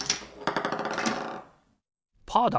パーだ！